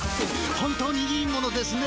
本当にいいものですね。